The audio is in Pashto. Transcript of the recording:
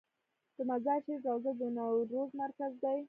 د مزار شریف روضه د نوروز مرکز دی